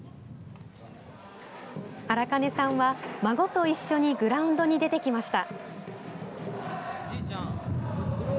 荒金さんは孫と一緒にグラウンドに出てきました。